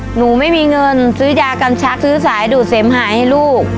หนูไม่มีเงินซื้อยากำชักซื้อสายดูดเสมหายให้ลูก